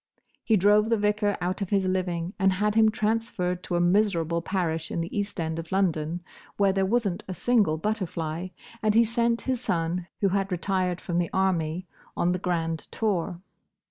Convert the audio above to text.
He drove the vicar out of his living, and had him transferred to a miserable parish in the East end of London, where there was n't a single butterfly; and he sent his son, who had retired from the army, on the Grand Tour.